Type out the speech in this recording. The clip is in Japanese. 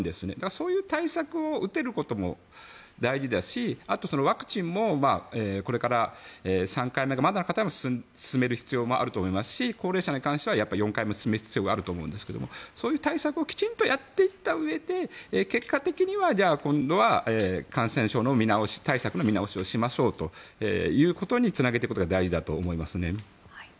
そういう対策を打てることも大事ですしワクチンもこれから３回目がまだの方も進める必要があると思いますし高齢者に関しては４回目を進める必要があると思うんですがそういう対策をきちんとやっていったうえで結果的にはじゃあ今度は感染症対策の見直しをしましょうということにつなげていくことが大事だと思いますね。